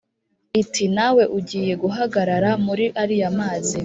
iti: “nawe ugiye guhagarara muri ariya mazi,